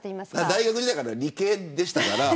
大学時代は理系でしたから。